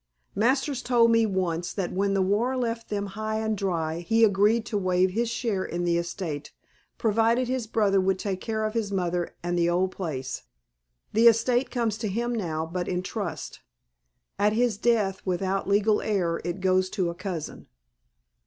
Masters told me once that when the war left them high and dry he agreed to waive his share in the estate provided his brother would take care of his mother and the old place. The estate comes to him now, but in trust. At his death, without legal heir, it goes to a cousin."